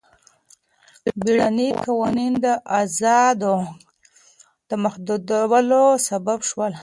بیړني قوانین د ازادیو د محدودولو سبب شول.